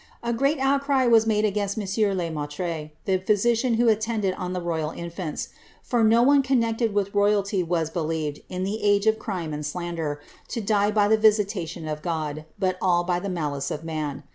A great outcry was made against M. le Maitre, the physician who attended on the royal infants ; for no one connected with royalty was believed, in that age of crime and slander, to die by the visitation of God, but all by the malice of man.